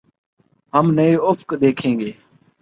ہم نئے افق دیکھیں گے۔